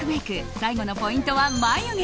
最後のポイントは眉毛。